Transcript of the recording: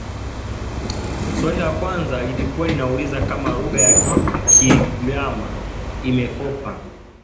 Swali la kwanza lilikuwa linauliza kama lugha ya Kigiriama imekopa